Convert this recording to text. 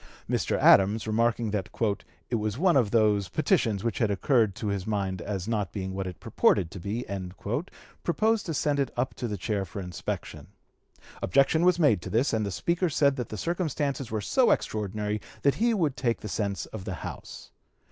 Mr. Adams, remarking that "it was one of those petitions which had occurred to his mind as not being what (p. 270) it purported to be," proposed to send it up to the Chair for inspection. Objection was made to this, and the Speaker said that the circumstances were so extraordinary that he would take the sense of the House.